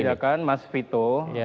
jadi harus diperbedakan mas vito